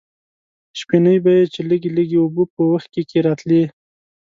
شپېنۍ به یې چې لږې لږې اوبه په وښکي کې راتلې.